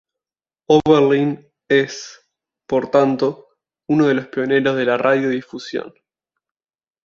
Oberlin, es, por tanto, uno de los pioneros de la radiodifusión.